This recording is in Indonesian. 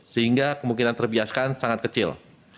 sehingga kemungkinan terbiaskan sangat kecil